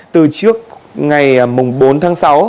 từ trước ngày bốn tháng sáu